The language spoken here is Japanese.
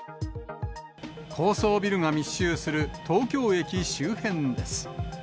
高層ビルが密集する東京駅周辺です。